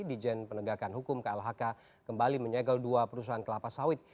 dijen penegakan hukum klhk kembali menyegel dua perusahaan kelapa sawit